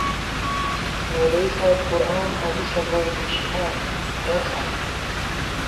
مولوی صاحب قرآن حدیثہ گوئی نِشِمان درساں کی